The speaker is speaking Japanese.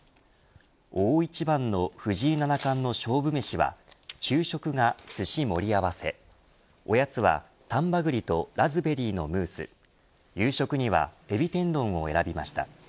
大一番の藤井七冠の勝負メシは昼食が、すし盛り合わせおやつは丹波栗ラズベリーのムース夕食にはエビ天丼を選びました。